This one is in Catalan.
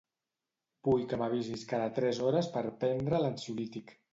Vull que m'avisis cada tres hores per prendre l'ansiolític.